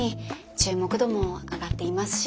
注目度も上がっていますし。